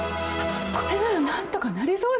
これなら何とかなりそうですね。